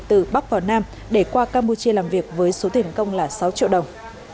từ bắc vào nam để qua campuchia làm việc với số tiền công là sáu triệu đồng